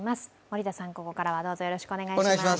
森田さん、ここからはどうぞよろしくお願いします。